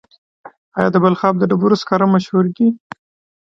آیا د بلخاب د ډبرو سکاره مشهور دي؟